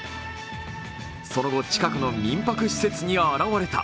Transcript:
その後、近くの民泊施設に現れた。